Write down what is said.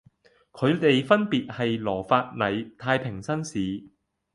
佢地分別係羅發禮太平紳士